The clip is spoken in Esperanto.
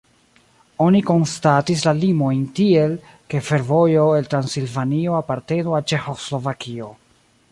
Oni konstatis la limojn tiel, ke fervojo el Transilvanio apartenu al Ĉeĥoslovakio.